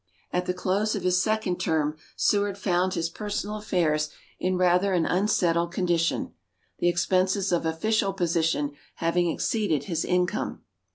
At the close of his second term Seward found his personal affairs in rather an unsettled condition, the expenses of official position having exceeded his income.